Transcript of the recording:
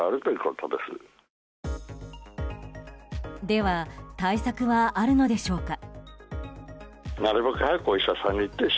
では、対策はあるのでしょうか。